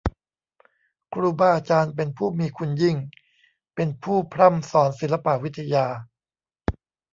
ครูบาอาจารย์เป็นผู้มีคุณยิ่ง เป็นผู้พร่ำสอนศิลปะวิทยา